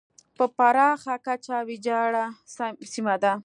په پراخه کچه ویجاړه سیمه ده.